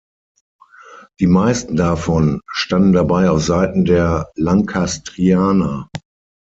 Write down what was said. Die meisten davon standen dabei auf Seiten der Lancastrianer.